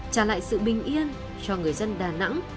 trả lại sự bình yên cho người dân đà nẵng